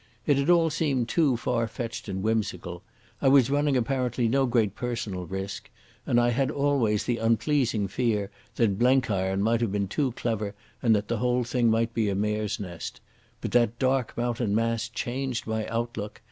It had all seemed too far fetched and whimsical. I was running apparently no great personal risk, and I had always the unpleasing fear that Blenkiron might have been too clever and that the whole thing might be a mare's nest. But that dark mountain mass changed my outlook.